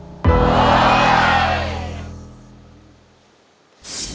ใช่